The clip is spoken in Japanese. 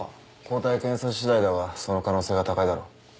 抗体検査しだいだがその可能性が高いだろ。